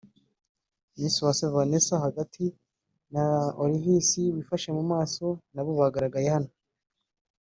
Miss Uwase Vanessa (hagati) na Olivis (wifashe mu maso) nabo bagaragaye hano